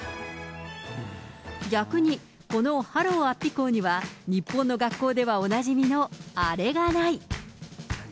逆に、このハロウ安比校には日本の学校ではおなじみのあれがない。